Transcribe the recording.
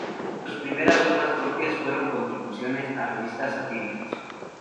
Sus primeras obras propias fueron contribuciones a revistas satíricas.